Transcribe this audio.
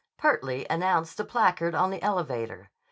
pertly announced the placard on the elevator.